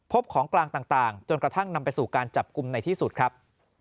ของกลางต่างจนกระทั่งนำไปสู่การจับกลุ่มในที่สุดครับ